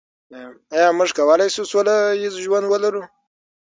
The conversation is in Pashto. آیا موږ کولای شو سوله ییز ژوند ولرو؟